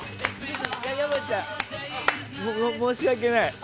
山ちゃん、申し訳ない。